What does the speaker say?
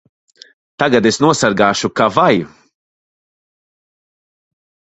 Tagad es nosargāšu ka vai!